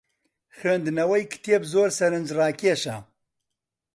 خوێندنەوەی کتێب زۆر سەرنجڕاکێشە.